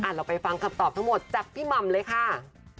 เราไปฟังคำตอบทั้งหมดจากพี่หม่ำเลยค่ะ